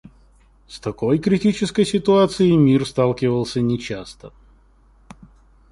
С такой критической ситуацией мир сталкивался нечасто.